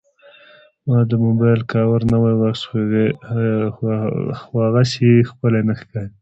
ما د موبایل کاور نوی واخیست، خو هغسې ښکلی نه ښکاري.